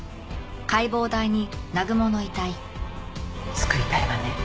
救いたいわね